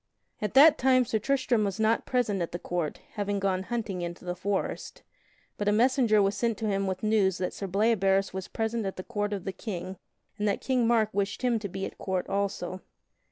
At that time Sir Tristram was not present at the court, having gone hunting into the forest, but a messenger was sent to him with news that Sir Bleoberis was present at the court of the King and that King Mark wished him to be at court also.